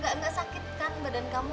gak sakit kan badan kamu